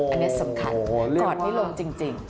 อันนี้สำคัญจอดไม่ลงจริง